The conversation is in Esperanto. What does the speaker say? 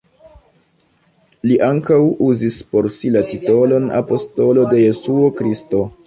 Li ankaŭ uzis por si la titolon apostolo de Jesuo Kristo.